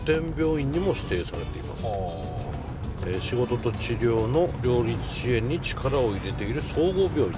仕事と治療の両立支援に力を入れている総合病院です。